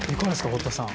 堀田さん。